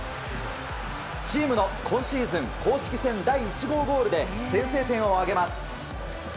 チームの今シーズン公式戦第１号ゴールで先制点を挙げます。